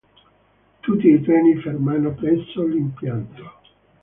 Tutti i treni fermano presso l'impianto.